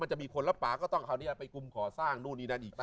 มันจะมีคนล่ะปาก็ต้องกรุมก่อสร้างนู่นนี่นั่นอีก